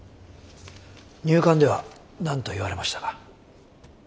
入管では何と言われましたか？